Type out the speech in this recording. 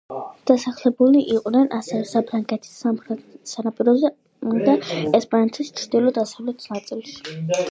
დასახლებული იყვნენ, ასევე, საფრანგეთის სამხრეთ სანაპიროზე და ესპანეთის ჩრდილო-დასავლეთ ნაწილში.